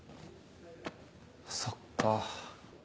そっか。